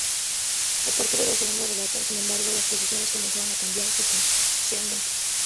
A partir de la segunda regata, sin embargo, las posiciones comenzaron a cambiar sustancialmente.